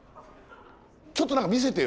ちょっと何か見せてよ